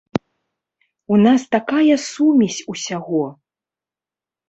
У нас такая сумесь усяго!